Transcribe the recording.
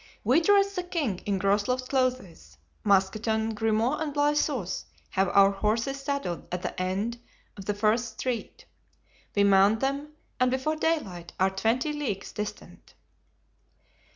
"We dress the king in Groslow's clothes. Mousqueton, Grimaud and Blaisois have our horses saddled at the end of the first street. We mount them and before daylight are twenty leagues distant."